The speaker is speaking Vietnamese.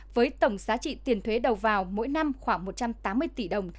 với tổng giá trị tiền thuế đầu vào mỗi năm khoảng một trăm tám mươi tỷ đồng